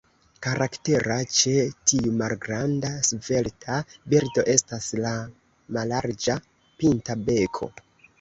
Karaktera ĉe tiu malgranda, svelta birdo estas la mallarĝa, pinta beko.